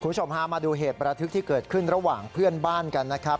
คุณผู้ชมพามาดูเหตุประทึกที่เกิดขึ้นระหว่างเพื่อนบ้านกันนะครับ